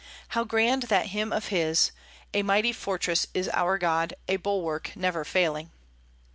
How grand that hymn of his, "A mighty fortress is our God, A bulwark never failing."